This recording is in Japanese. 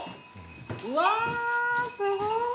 うわーすごい。